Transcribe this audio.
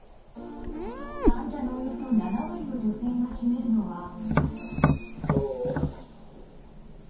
患者のおよそ７割を女性が占めるのは。